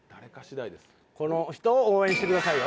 この人を応援してくださいよ。